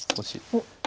おっ。